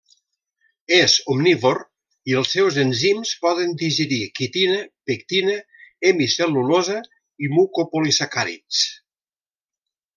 És omnívor i els seus enzims poden digerir quitina, pectina, hemicel·lulosa i mucopolisacàrids.